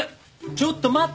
ちょっと待って。